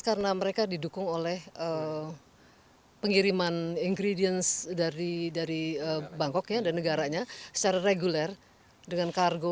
karena mereka didukung oleh pengiriman ingredients dari bangkok ya dan negaranya secara reguler dengan kargo